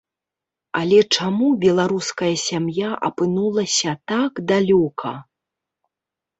Але чаму беларуская сям'я апынулася так далёка?